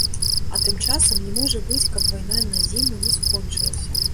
А тым часам не можа быць, каб вайна на зіму не скончылася.